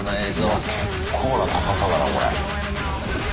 いや結構な高さだなこれ。